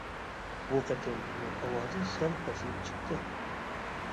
بۇ قېتىم ئۇنىڭ ئاۋازى سەل پەسىيىپ چىقتى.